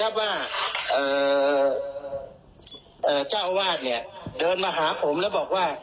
ดูสิครับว่าเอ่อเอ่อเจ้าอาวาสเนี่ยเดินมาหาผมแล้วบอกว่า